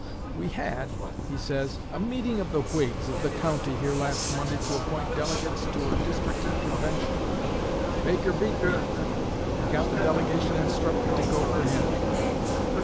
"We had," he says, "a meeting of the Whigs of the county here last Monday to appoint delegates to a district convention. Baker beat me, and got the delegation instructed to go for him.